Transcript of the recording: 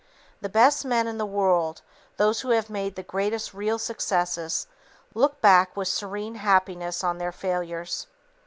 The best men in the world, those who have made the greatest real successes look back with serene happiness on their failures.